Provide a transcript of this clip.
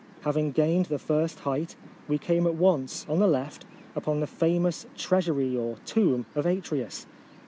Having gained the first height, we came at once, on the left, upon the famous Treasury or Tomb of Atreus.